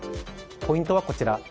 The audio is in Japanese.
ポイントはこちら。